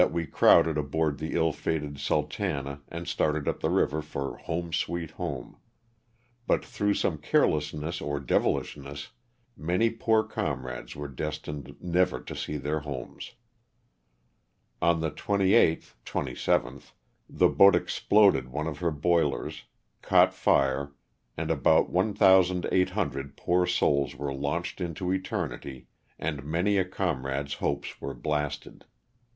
381 crowded aboard the ill fated "Sultana" and started up the river for "home, sweet home," but through some carelessness or devilishness many poor comrades were destined never to see their homes On the 28th (27th) the boat exploded one of her boilers, caught fire and about 1,800 poor souls were launched into eternity and many a comrade's hopes were blasted.